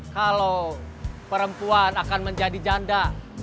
kalau perempuan akan menjadi janda